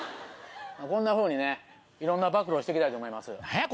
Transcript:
こんなふうにねいろんな暴露をして行きたいと思います。